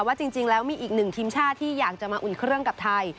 ว่าจริงแล้วมีอีกหนึ่งทีมชาติที่อยากจะมาอุ่นเครื่องกับไทย